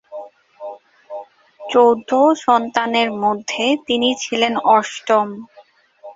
চৌদ্দ সন্তানের মধ্যে তিনি ছিলেন অষ্টম।